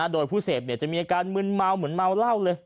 โดยผู้เสพจะมีอาการมึนเมาเหมือนเมาเหล้าเลย